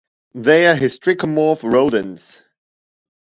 They are hystricomorph rodents.